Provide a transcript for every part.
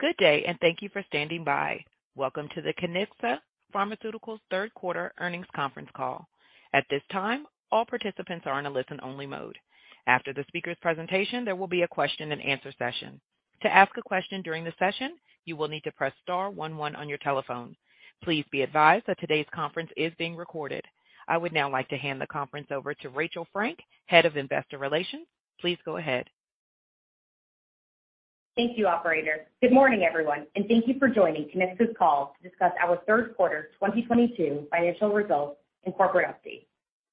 Good day, and thank you for standing by. Welcome to the Kiniksa Pharmaceuticals third quarter earnings conference call. At this time, all participants are in a listen-only mode. After the speaker's presentation, there will be a question and answer session. To ask a question during the session, you will need to press star one one on your telephone. Please be advised that today's conference is being recorded. I would now like to hand the conference over to Rachel Frank, Head of Investor Relations. Please go ahead. Thank you, operator. Good morning, everyone, and thank you for joining Kiniksa's call to discuss our third quarter 2022 financial results and corporate update.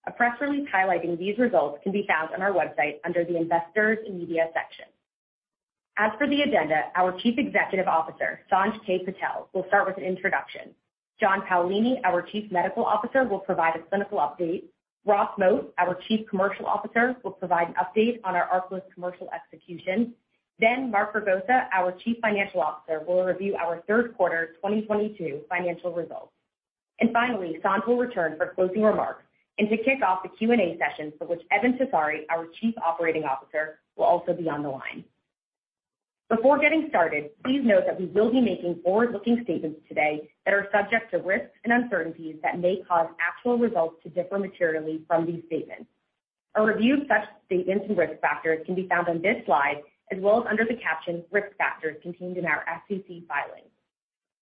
A press release highlighting these results can be found on our website under the Investors and Media section. As for the agenda, our Chief Executive Officer, Sanj K. Patel, will start with an introduction. John Paolini, our Chief Medical Officer, will provide a clinical update. Ross Moat, our Chief Commercial Officer, will provide an update on our ARCALYST commercial execution. Mark Ragosa, our Chief Financial Officer, will review our third quarter 2022 financial results. Finally, Sanj will return for closing remarks and to kick off the Q&A session for which Eben Tessari, our Chief Operating Officer, will also be on the line. Before getting started, please note that we will be making forward-looking statements today that are subject to risks and uncertainties that may cause actual results to differ materially from these statements. A review of such statements and risk factors can be found on this slide, as well as under the caption Risk Factors contained in our SEC filings.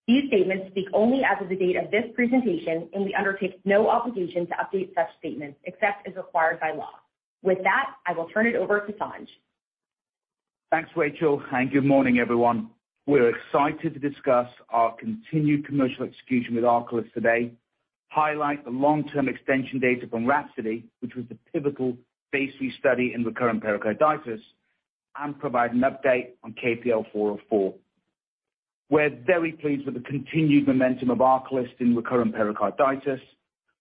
These statements speak only as of the date of this presentation, and we undertake no obligation to update such statements except as required by law. With that, I will turn it over to Sanj Patel. Thanks, Rachel, and good morning, everyone. We're excited to discuss our continued commercial execution with ARCALYST today, highlight the long-term extension data from RHAPSODY, which was the pivotal phase III study in recurrent pericarditis, and provide an update on KPL-404. We're very pleased with the continued momentum of ARCALYST in recurrent pericarditis.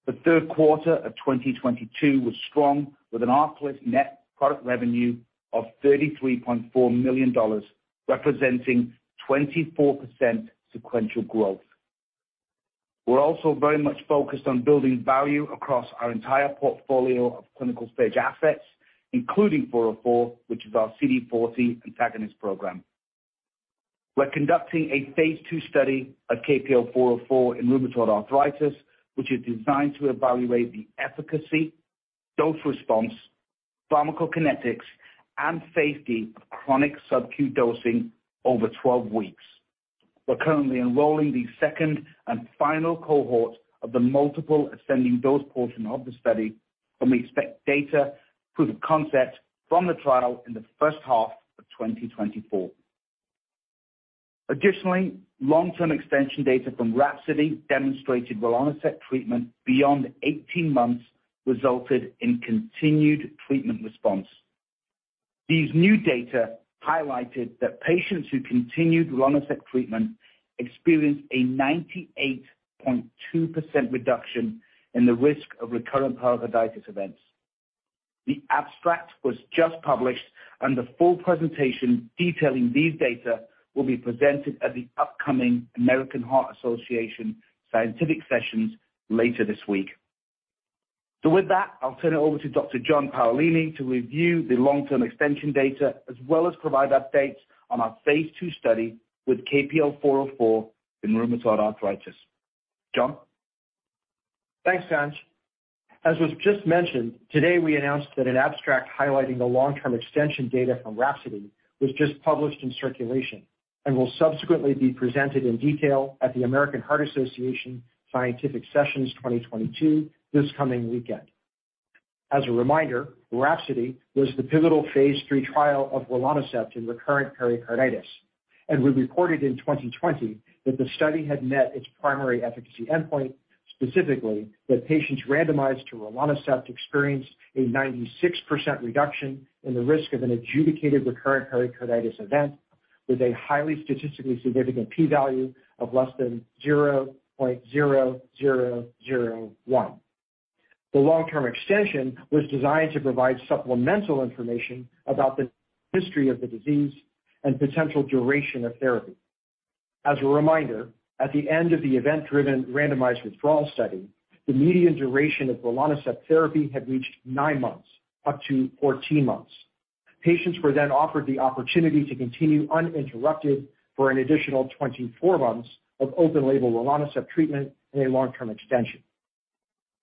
The third quarter of 2022 was strong, with an ARCALYST net product revenue of $33.4 million, representing 24% sequential growth. We're also very much focused on building value across our entire portfolio of clinical-stage assets, including 404, which is our CD40 antagonist program. We're conducting a phase II study of KPL-404 in rheumatoid arthritis, which is designed to evaluate the efficacy, dose response, pharmacokinetics, and safety of chronic SubQ dosing over 12 weeks. We're currently enrolling the second and final cohort of the multiple ascending dose portion of the study, and we expect data proof of concept from the trial in the first half of 2024. Additionally, long-term extension data from RHAPSODY demonstrated rilonacept treatment beyond 18 months resulted in continued treatment response. These new data highlighted that patients who continued rilonacept treatment experienced a 98.2% reduction in the risk of recurrent pericarditis events. The abstract was just published, and the full presentation detailing these data will be presented at the upcoming American Heart Association Scientific Sessions later this week. With that, I'll turn it over to Dr. John Paolini to review the long-term extension data as well as provide updates on our phase II study with KPL-404 in rheumatoid arthritis. John? Thanks, Sanj. As was just mentioned, today we announced that an abstract highlighting the long-term extension data from RHAPSODY was just published in Circulation and will subsequently be presented in detail at the American Heart Association Scientific Sessions 2022 this coming weekend. As a reminder, RHAPSODY was the pivotal phase III trial of rilonacept in recurrent pericarditis, and we reported in 2020 that the study had met its primary efficacy endpoint, specifically that patients randomized to rilonacept experienced a 96% reduction in the risk of an adjudicated recurrent pericarditis event with a highly statistically significant P value of less than 0.0001. The long-term extension was designed to provide supplemental information about the history of the disease and potential duration of therapy. As a reminder, at the end of the event-driven randomized withdrawal study, the median duration of rilonacept therapy had reached 9 months, up to 14 months. Patients were then offered the opportunity to continue uninterrupted for an additional 24 months of open-label rilonacept treatment in a long-term extension.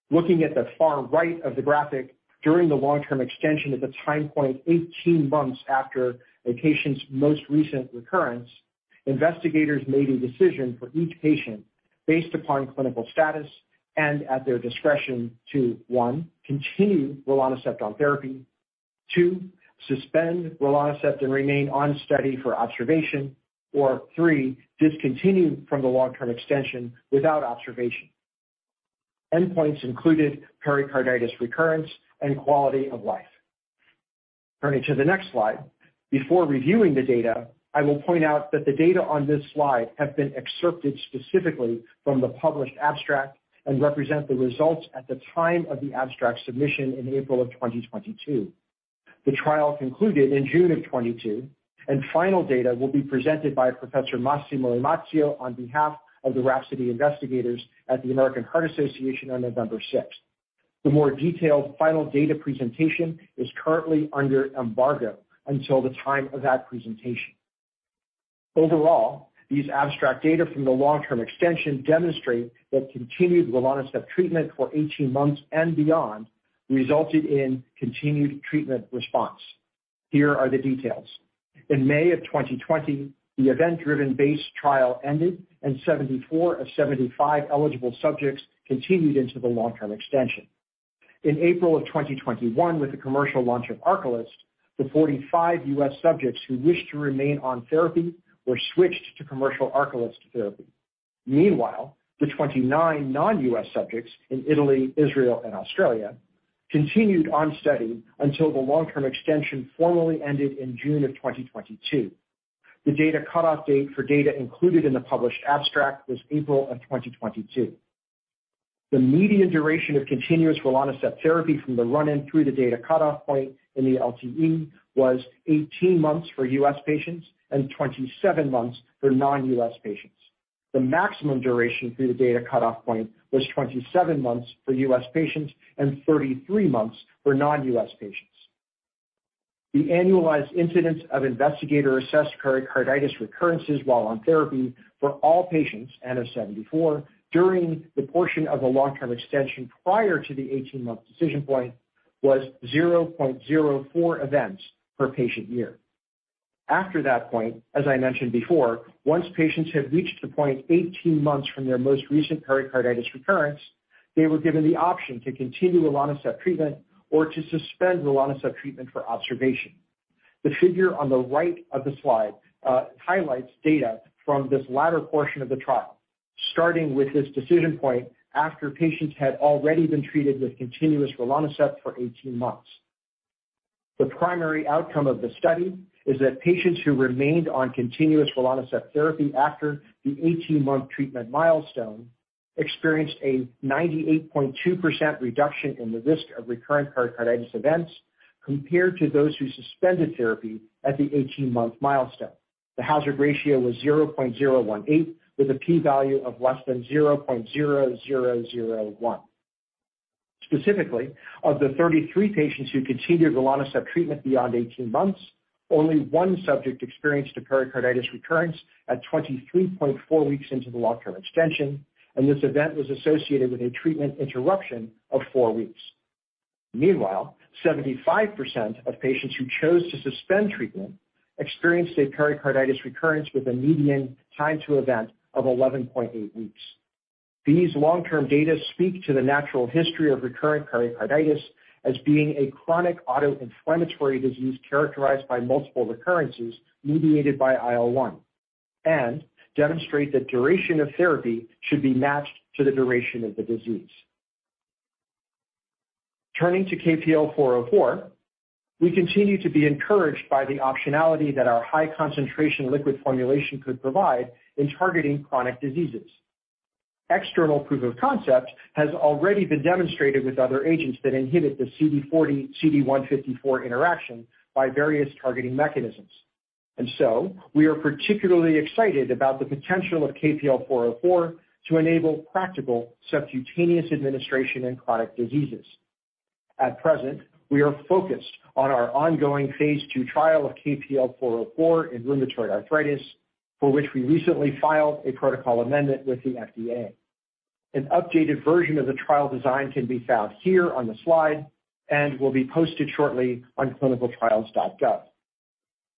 Looking at the far right of the graphic, during the long-term extension at the time point 18 months after a patient's most recent recurrence, investigators made a decision for each patient based upon clinical status and at their discretion to, one, continue rilonacept on therapy, two, suspend rilonacept and remain on study for observation, or three, discontinue from the long-term extension without observation. Endpoints included pericarditis recurrence and quality of life. Turning to the next slide. Before reviewing the data, I will point out that the data on this slide have been excerpted specifically from the published abstract and represent the results at the time of the abstract submission in April 2022. The trial concluded in June 2022, and final data will be presented by Professor Massimo Imazio on behalf of the RHAPSODY investigators at the American Heart Association on November 6. The more detailed final data presentation is currently under embargo until the time of that presentation. Overall, these abstract data from the long-term extension demonstrate that continued rilonacept treatment for 18 months and beyond resulted in continued treatment response. Here are the details. In May 2020, the event-driven base trial ended, and 74/75 eligible subjects continued into the long-term extension. In April 2021, with the commercial launch of ARCALYST, the 45 U.S. subjects who wished to remain on therapy were switched to commercial ARCALYST therapy. Meanwhile, the 29 non-U.S. subjects in Italy, Israel, and Australia continued on study until the long-term extension formally ended in June of 2022. The data cutoff date for data included in the published abstract was April of 2022. The median duration of continuous rilonacept therapy from the run-in through the data cutoff point in the LTE was 18 months for U.S. patients and 27 months for non-U.S. patients. The maximum duration through the data cutoff point was 27 months for U.S. patients and 33 months for non-U.S. patients. The annualized incidence of investigator-assessed pericarditis recurrences while on therapy for all patients N of 74 during the portion of the long-term extension prior to the 18-month decision point was 0.04 events per patient year. After that point, as I mentioned before, once patients had reached the point 18 months from their most recent pericarditis recurrence, they were given the option to continue rilonacept treatment or to suspend rilonacept treatment for observation. The figure on the right of the slide highlights data from this latter portion of the trial, starting with this decision point after patients had already been treated with continuous rilonacept for 18 months. The primary outcome of the study is that patients who remained on continuous rilonacept therapy after the 18-month treatment milestone experienced a 98.2% reduction in the risk of recurrent pericarditis events compared to those who suspended therapy at the 18-month milestone. The hazard ratio was 0.018 with a P value of less 0.0001. Specifically, of the 33 patients who continued rilonacept treatment beyond 18 months, only one subject experienced a pericarditis recurrence at 23.4 weeks into the long-term extension, and this event was associated with a treatment interruption of 4 weeks. Meanwhile, 75% of patients who chose to suspend treatment experienced a pericarditis recurrence with a median time to event of 11.8 weeks. These long-term data speak to the natural history of recurrent pericarditis as being a chronic autoinflammatory disease characterized by multiple recurrences mediated by IL-1, and demonstrate that duration of therapy should be matched to the duration of the disease. Turning to KPL-404, we continue to be encouraged by the optionality that our high concentration liquid formulation could provide in targeting chronic diseases. External proof of concept has already been demonstrated with other agents that inhibit the CD40-CD154 interaction by various targeting mechanisms. We are particularly excited about the potential of KPL-404 to enable practical subcutaneous administration in chronic diseases. At present, we are focused on our ongoing phase II trial of KPL-404 in rheumatoid arthritis, for which we recently filed a protocol amendment with the FDA. An updated version of the trial design can be found here on the slide and will be posted shortly on ClinicalTrials.gov.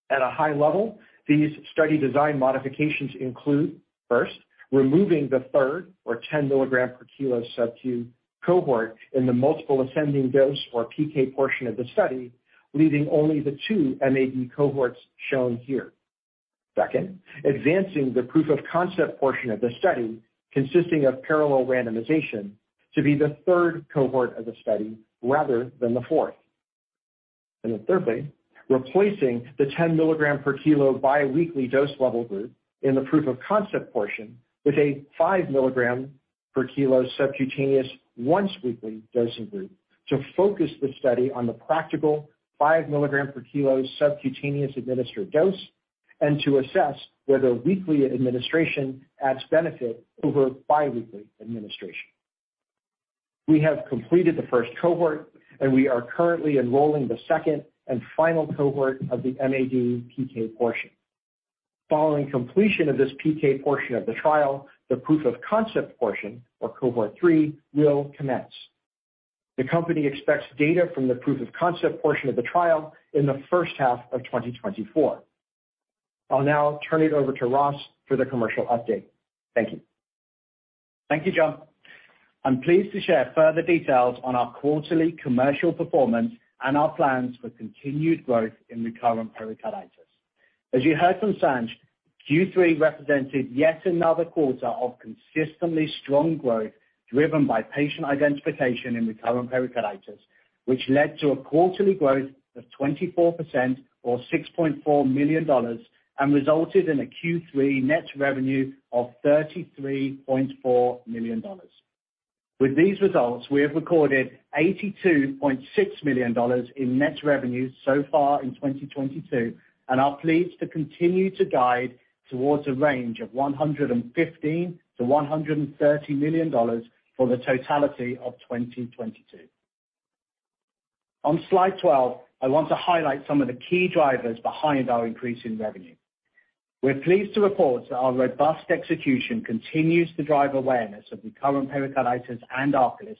At a high level, these study design modifications include, first, removing the 30 or 10 milligram per kg SubQ cohort in the multiple ascending dose or PK portion of the study, leaving only the two MAD cohorts shown here. Second, advancing the proof of concept portion of the study, consisting of parallel randomization, to be the third cohort of the study rather than the fourth. Thirdly, replacing the 10 milligram per kg biweekly dose level group in the proof of concept portion with a 5 milligram per kg subcutaneous once weekly dosing group to focus the study on the practical 5 milligram per kg subcutaneous administered dose and to assess whether weekly administration adds benefit over biweekly administration. We have completed the first cohort, and we are currently enrolling the second and final cohort of the MAD PK portion. Following completion of this PK portion of the trial, the proof of concept portion, or cohort three, will commence. The company expects data from the proof of concept portion of the trial in the first half of 2024. I'll now turn it over to Ross for the commercial update. Thank you. Thank you, John. I'm pleased to share further details on our quarterly commercial performance and our plans for continued growth in recurrent pericarditis. As you heard from Sanj, Q3 represented yet another quarter of consistently strong growth driven by patient identification in recurrent pericarditis, which led to a quarterly growth of 24% or $6.4 million and resulted in a Q3 net revenue of $33.4 million. With these results, we have recorded $82.6 million in net revenue so far in 2022 and are pleased to continue to guide towards a range of $115 million-$130 million for the totality of 2022. On slide 12, I want to highlight some of the key drivers behind our increase in revenue. We're pleased to report that our robust execution continues to drive awareness of recurrent pericarditis and ARCALYST,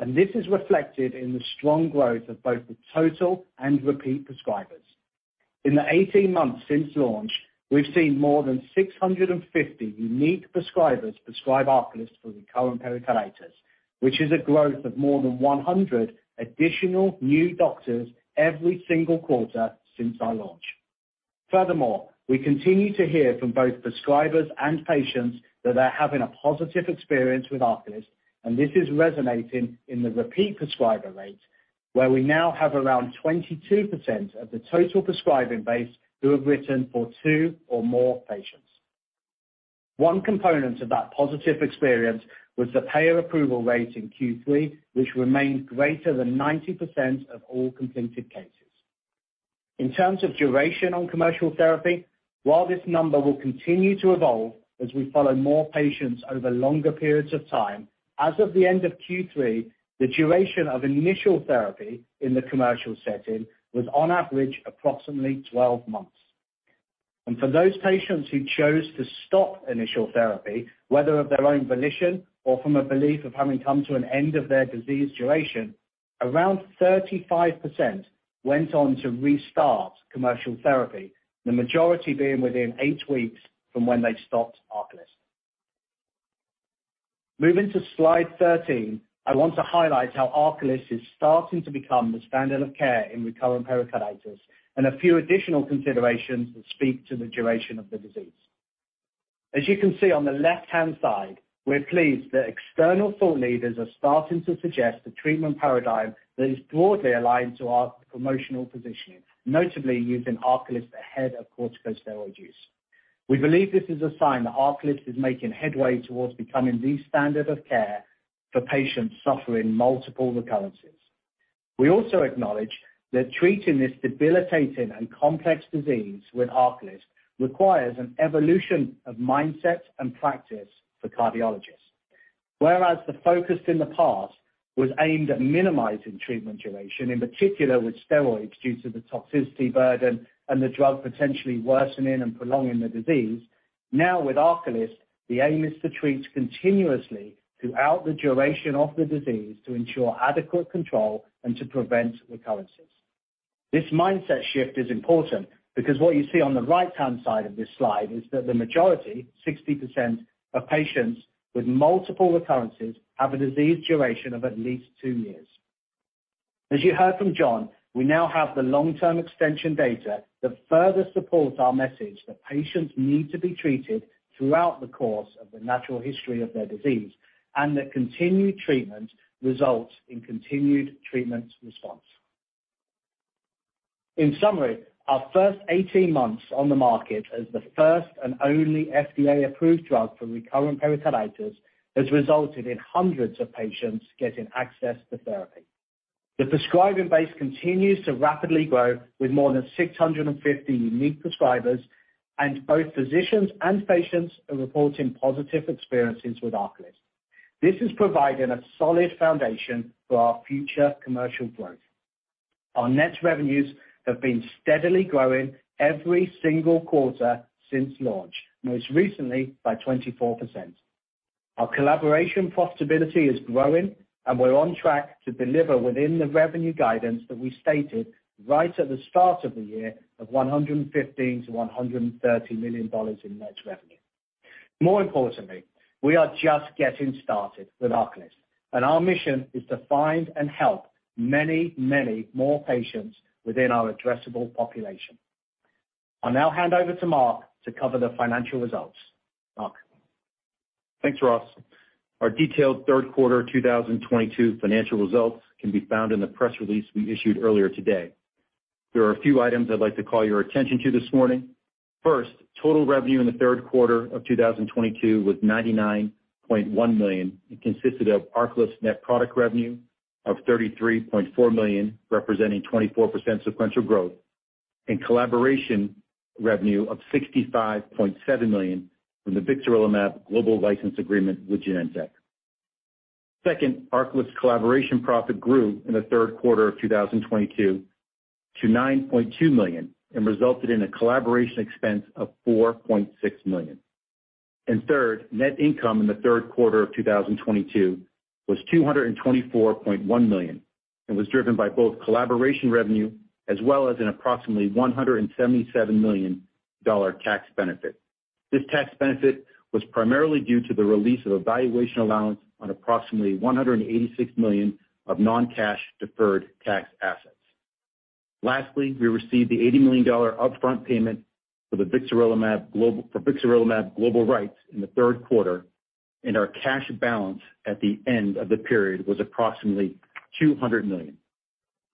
and this is reflected in the strong growth of both the total and repeat prescribers. In the 18 months since launch, we've seen more than 650 unique prescribers prescribe ARCALYST for recurrent pericarditis, which is a growth of more than 100 additional new doctors every single quarter since our launch. Furthermore, we continue to hear from both prescribers and patients that they're having a positive experience with ARCALYST, and this is resonating in the repeat prescriber rate, where we now have around 22% of the total prescribing base who have written for two or more patients. One component of that positive experience was the payer approval rate in Q3, which remains greater than 90% of all completed cases. In terms of duration on commercial therapy, while this number will continue to evolve as we follow more patients over longer periods of time, as of the end of Q3, the duration of initial therapy in the commercial setting was on average, approximately 12 months. For those patients who chose to stop initial therapy, whether of their own volition or from a belief of having come to an end of their disease duration, around 35% went on to restart commercial therapy, the majority being within 8 weeks from when they stopped ARCALYST. Moving to slide 13, I want to highlight how ARCALYST is starting to become the standard of care in recurrent pericarditis and a few additional considerations that speak to the duration of the disease. As you can see on the left-hand side, we're pleased that external thought leaders are starting to suggest a treatment paradigm that is broadly aligned to our promotional positioning, notably using ARCALYST ahead of corticosteroid use. We believe this is a sign that ARCALYST is making headway towards becoming the standard of care for patients suffering multiple recurrences. We also acknowledge that treating this debilitating and complex disease with ARCALYST requires an evolution of mindset and practice for cardiologists. Whereas the focus in the past was aimed at minimizing treatment duration, in particular with steroids due to the toxicity burden and the drug potentially worsening and prolonging the disease. Now with ARCALYST, the aim is to treat continuously throughout the duration of the disease to ensure adequate control and to prevent recurrences. This mindset shift is important because what you see on the right-hand side of this slide is that the majority, 60% of patients with multiple recurrences have a disease duration of at least 2 years. As you heard from John, we now have the long-term extension data that further supports our message that patients need to be treated throughout the course of the natural history of their disease, and that continued treatment results in continued treatment response. In summary, our first 18 months on the market as the first and only FDA-approved drug for recurrent pericarditis has resulted in hundreds of patients getting access to therapy. The prescribing base continues to rapidly grow with more than 650 unique prescribers, and both physicians and patients are reporting positive experiences with ARCALYST. This is providing a solid foundation for our future commercial growth. Our net revenues have been steadily growing every single quarter since launch, most recently by 24%. Our collaboration profitability is growing, and we're on track to deliver within the revenue guidance that we stated right at the start of the year of $115 million-$130 million in net revenue. More importantly, we are just getting started with ARCALYST, and our mission is to find and help many, many more patients within our addressable population. I'll now hand over to Mark to cover the financial results. Mark. Thanks, Ross. Our detailed third quarter 2022 financial results can be found in the press release we issued earlier today. There are a few items I'd like to call your attention to this morning. First, total revenue in the third quarter of 2022 was $99.1 million. It consisted of ARCALYST net product revenue of $33.4 million, representing 24% sequential growth, and collaboration revenue of $65.7 million from the vixarelimab global license agreement with Genentech. Second, ARCALYST collaboration profit grew in the third quarter of 2022 to $9.2 million and resulted in a collaboration expense of $4.6 million. Third, net income in the third quarter of 2022 was $224.1 million and was driven by both collaboration revenue as well as an approximately $177 million tax benefit. This tax benefit was primarily due to the release of a valuation allowance on approximately $186 million of non-cash deferred tax assets. Lastly, we received the $80 million upfront payment for the vixarelimab global rights in the third quarter, and our cash balance at the end of the period was approximately $200 million.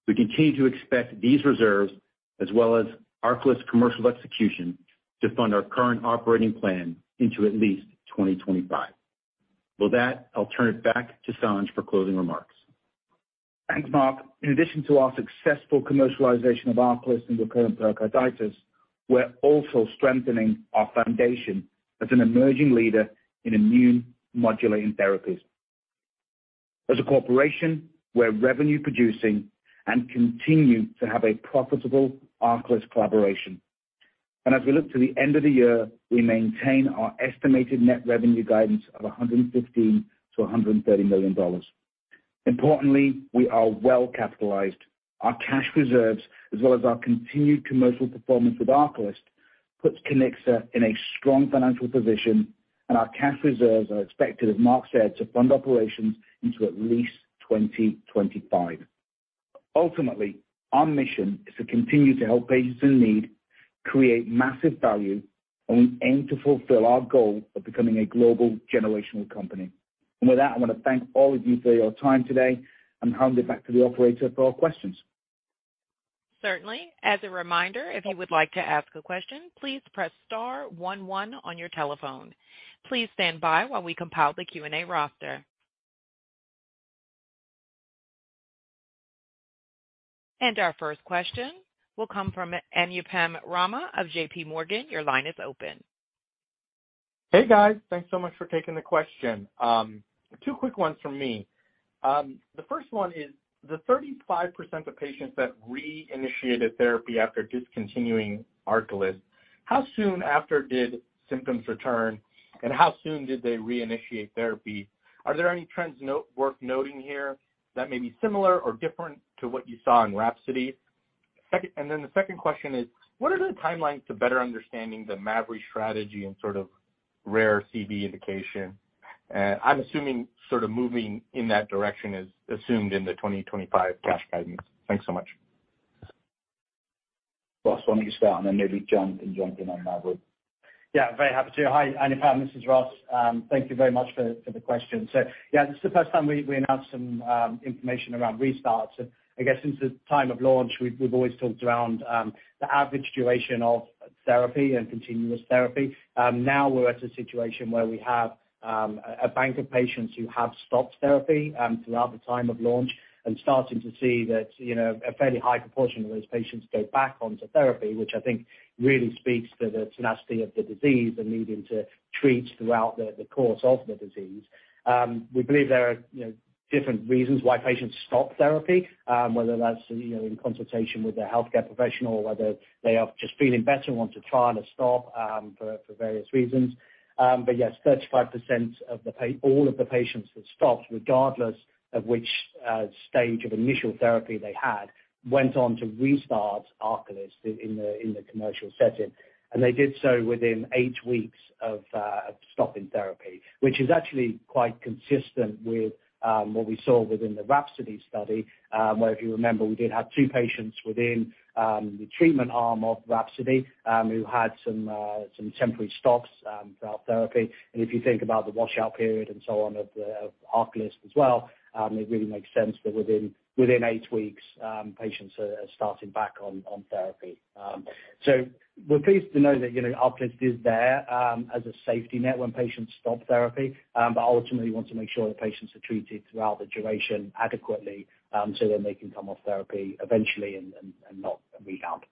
We continue to expect these reserves as well as ARCALYST commercial execution to fund our current operating plan into at least 2025. With that, I'll turn it back to Sanj for closing remarks. Thanks, Mark. In addition to our successful commercialization of ARCALYST in recurrent pericarditis. We're also strengthening our foundation as an emerging leader in immune modulating therapies. As a corporation, we're revenue producing and continue to have a profitable ARCALYST collaboration. As we look to the end of the year, we maintain our estimated net revenue guidance of $115 million-$130 million. Importantly, we are well capitalized. Our cash reserves, as well as our continued commercial performance with ARCALYST, puts Kiniksa in a strong financial position, and our cash reserves are expected, as Mark said, to fund operations into at least 2025. Ultimately, our mission is to continue to help patients in need create massive value, and we aim to fulfill our goal of becoming a global generational company. With that, I want to thank all of you for your time today and hand it back to the operator for questions. Certainly. As a reminder, if you would like to ask a question, please press star one one on your telephone. Please stand by while we compile the Q&A roster. Our first question will come from Anupam Rama of JPMorgan. Your line is open. Hey, guys. Thanks so much for taking the question. Two quick ones from me. The first one is the 35% of patients that reinitiated therapy after discontinuing ARCALYST, how soon after did symptoms return, and how soon did they reinitiate therapy? Are there any trends worth noting here that may be similar or different to what you saw in RHAPSODY? The second question is: What are the timelines to better understanding the mavrilimumab strategy and sort of rare CV indication? I'm assuming sort of moving in that direction is assumed in the 2025 cash guidance. Thanks so much. Ross, why don't you start and then maybe John can jump in on that one. Yeah, very happy to. Hi, Anupam, this is Ross. Thank you very much for the question. Yeah, this is the first time we announced some information around restarts. I guess since the time of launch, we've always talked around the average duration of therapy and continuous therapy. Now we're at a situation where we have a bank of patients who have stopped therapy throughout the time of launch and starting to see that, you know, a fairly high proportion of those patients go back onto therapy, which I think really speaks to the tenacity of the disease and needing to treat throughout the course of the disease. We believe there are, you know, different reasons why patients stop therapy, whether that's, you know, in consultation with their healthcare professional or whether they are just feeling better and want to try to stop, for various reasons. Yes, 35% of all of the patients that stopped, regardless of which stage of initial therapy they had, went on to restart ARCALYST in the commercial setting. They did so within 8 weeks of stopping therapy, which is actually quite consistent with what we saw within the RHAPSODY study, where if you remember, we did have two patients within the treatment arm of RHAPSODY who had some temporary stops throughout therapy. If you think about the washout period and so on of ARCALYST as well, it really makes sense that within eight weeks, patients are starting back on therapy. We're pleased to know that, you know, ARCALYST is there as a safety net when patients stop therapy, but ultimately want to make sure that patients are treated throughout the duration adequately, so then they can come off therapy eventually and not rebound.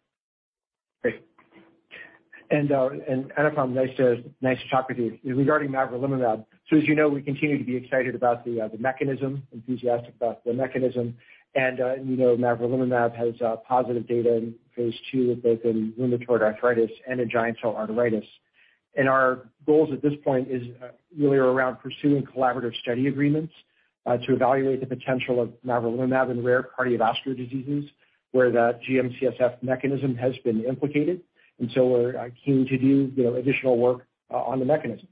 Great. Anupam, nice to talk with you. Regarding mavrilimumab, as you know, we continue to be excited about the mechanism, enthusiastic about the mechanism. You know, mavrilimumab has positive data in phase II with both in rheumatoid arthritis and in giant cell arteritis. Our goals at this point is really around pursuing collaborative study agreements to evaluate the potential of mavrilimumab in rare cardiovascular diseases where the GM-CSF mechanism has been implicated. We're keen to do, you know, additional work on the mechanism.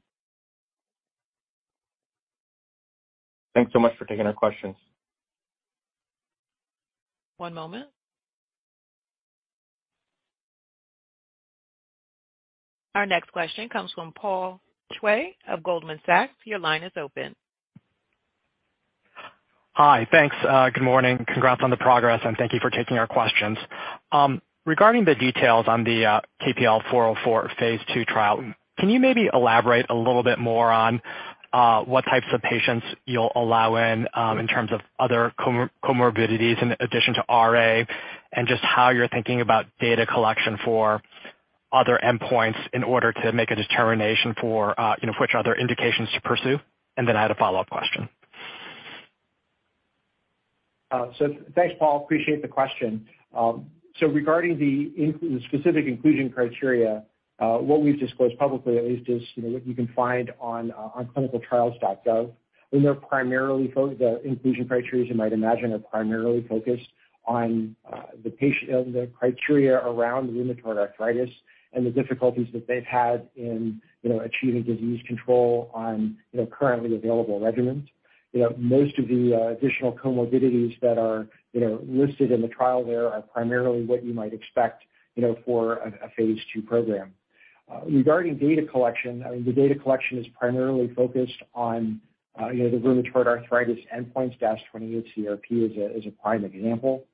Thanks so much for taking our questions. One moment. Our next question comes from Paul Choi of Goldman Sachs. Your line is open. Hi. Thanks. Good morning. Congrats on the progress, and thank you for taking our questions. Regarding the details on the KPL-404 phase II trial, can you maybe elaborate a little bit more on what types of patients you'll allow in terms of other comorbidities in addition to RA and just how you're thinking about data collection for other endpoints in order to make a determination for you know which other indications to pursue? I had a follow-up question. Thanks, Paul. Appreciate the question. Regarding the specific inclusion criteria, what we've disclosed publicly at least is, you know, what you can find on ClinicalTrials.gov. The inclusion criteria, as you might imagine, are primarily focused on the criteria around rheumatoid arthritis and the difficulties that they've had in, you know, achieving disease control on, you know, currently available regimens. You know, most of the additional comorbidities that are, you know, listed in the trial there are primarily what you might expect, you know, for a phase II program. Regarding data collection, I mean, the data collection is primarily focused on, you know, the rheumatoid arthritis endpoints, DAS28-CRP is a prime example.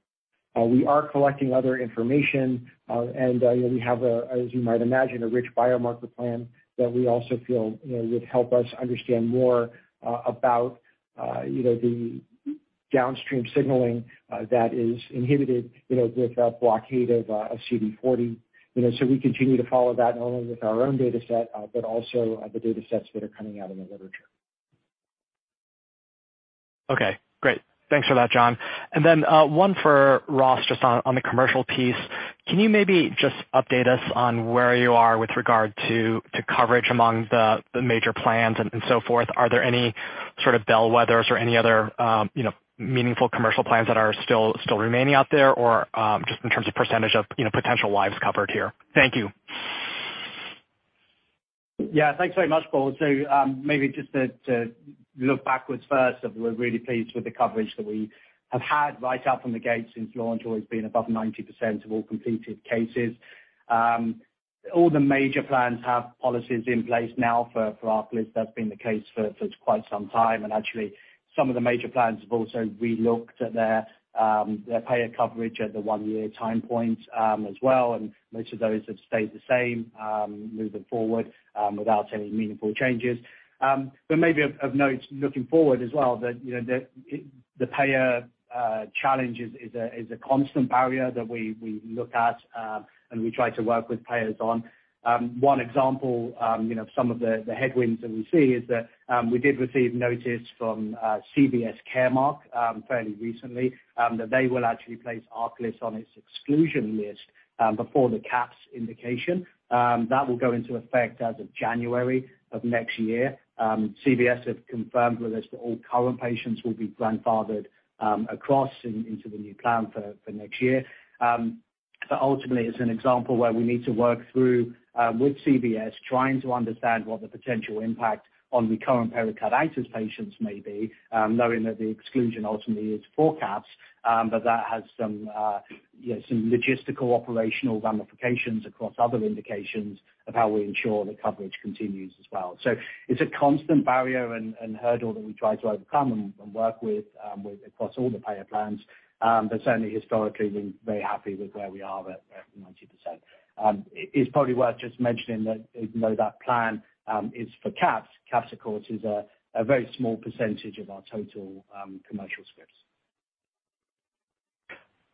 We are collecting other information, and you know, we have, as you might imagine, a rich biomarker plan that we also feel, you know, would help us understand more about, you know, the downstream signaling that is inhibited, you know, with a blockade of CD40. You know, we continue to follow that not only with our own dataset, but also the datasets that are coming out in the literature. Okay, great. Thanks for that, John. One for Ross, just on the commercial piece. Can you maybe just update us on where you are with regard to coverage among the major plans and so forth? Are there any sort of bellwethers or any other, you know, meaningful commercial plans that are still remaining out there? Or, just in terms of percentage of, you know, potential lives covered here. Thank you. Yeah. Thanks very much, Paul. Maybe just to look backwards first, that we're really pleased with the coverage that we have had right out from the gate since launch, always been above 90% of all completed cases. All the major plans have policies in place now for ARCALYST. That's been the case for quite some time. Actually some of the major plans have also relooked at their payer coverage at the one-year time point, as well, and most of those have stayed the same, moving forward, without any meaningful changes. Maybe of note looking forward as well, that you know, the payer challenge is a constant barrier that we look at, and we try to work with payers on. One example, you know, some of the headwinds that we see is that we did receive notice from CVS Caremark fairly recently that they will actually place ARCALYST on its exclusion list before the CAPS indication. That will go into effect as of January of next year. CVS have confirmed with us that all current patients will be grandfathered into the new plan for next year. Ultimately it's an example where we need to work through with CVS trying to understand what the potential impact on the current pericarditis patients may be, knowing that the exclusion ultimately is forecast. That has some, you know, some logistical operational ramifications across other indications of how we ensure that coverage continues as well. It's a constant barrier and hurdle that we try to overcome and work with across all the payer plans. But certainly historically we're very happy with where we are at 90%. It is probably worth just mentioning that even though that plan is for CAPS of course is a very small percentage of our total commercial scripts.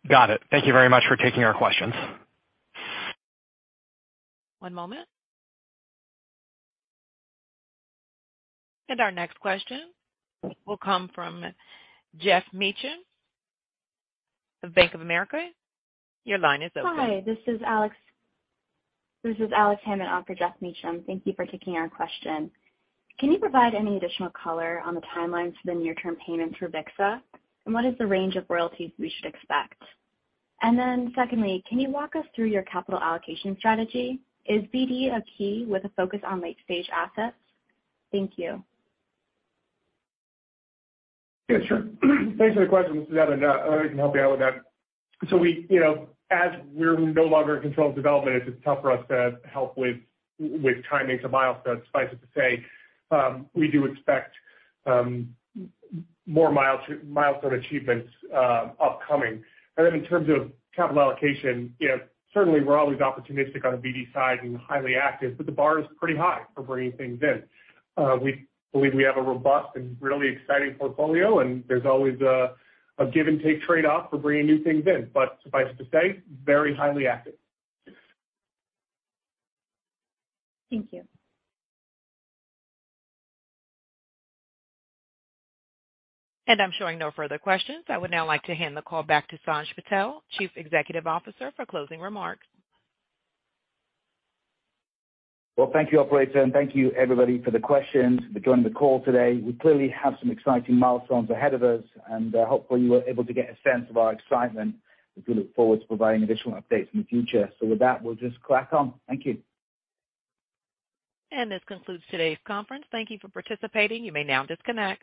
Got it. Thank you very much for taking our questions. One moment. Our next question will come from Geoff Meacham of Bank of America. Your line is open. This is Alexandria Hammond on for Geoff Meacham. Thank you for taking our question. Can you provide any additional color on the timelines for the near-term payments for vixarelimab? What is the range of royalties we should expect? Secondly, can you walk us through your capital allocation strategy? Is BD a key with a focus on late-stage assets? Thank you. Yeah, sure. Thanks for the question. This is Eben. I can help you out with that. So we, you know, as we're no longer in controlled development, it's just tough for us to help with timing to milestones. Suffice it to say, we do expect more milestone achievements upcoming. Then in terms of capital allocation, you know, certainly we're always opportunistic on the BD side and highly active, but the bar is pretty high for bringing things in. We believe we have a robust and really exciting portfolio, and there's always a give and take trade-off for bringing new things in. Suffice it to say, very highly active. Thank you. I'm showing no further questions. I would now like to hand the call back to Sanj Patel, Chief Executive Officer, for closing remarks. Well, thank you operator, and thank you everybody for the questions and for joining the call today. We clearly have some exciting milestones ahead of us, and hopefully you were able to get a sense of our excitement as we look forward to providing additional updates in the future. With that, we'll just crack on. Thank you. This concludes today's conference. Thank you for participating. You may now disconnect.